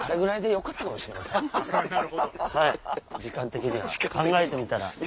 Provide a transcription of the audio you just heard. はい時間的には考えてみたら。